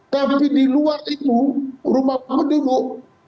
tapi di luar itu rumah penduduk